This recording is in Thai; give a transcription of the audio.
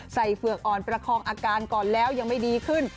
เฝือกอ่อนประคองอาการก่อนแล้วยังไม่ดีขึ้น